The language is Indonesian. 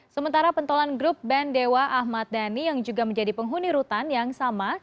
sementara pentolan grup band dewa ahmad dhani yang juga menjadi penghuni rutan yang sama